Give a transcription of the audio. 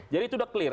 jadi itu sudah clear